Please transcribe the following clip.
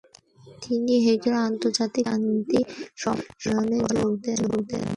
তিনি হেগের আন্তর্জাতিক নারী শান্তি সম্মেলনে যোগ দেন।